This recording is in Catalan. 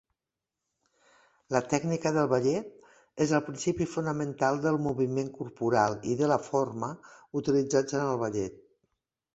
La tècnica del ballet és el principi fonamental del moviment corporal i de la forma utilitzats en el ballet.